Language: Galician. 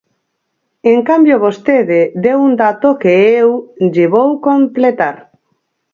En cambio, vostede deu un dato que eu lle vou completar.